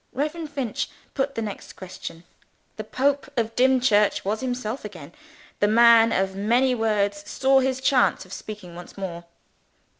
Reverend Finch put the next question. The Pope of Dimchurch was himself again: the man of many words saw his chance of speaking once more.